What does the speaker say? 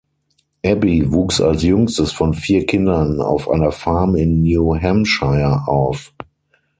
Abbey wuchs als jüngstes von vier Kindern auf einer Farm in New Hampshire auf.